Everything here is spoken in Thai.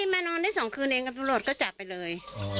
มานอนได้๒คืนเองกับตำรวจก็จับไปเลย